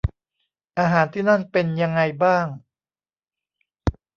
อาหารที่นั่นเป็นยังไงบ้าง